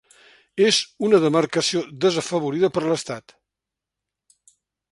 És una demarcació desafavorida per l'Estat.